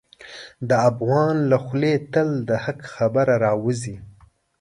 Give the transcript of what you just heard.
د افغان له خولې تل د حق خبره راوځي.